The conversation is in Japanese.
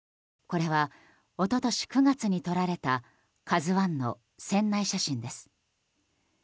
これは一昨年９月に撮られた「ＫＡＺＵ１」の船内写真です。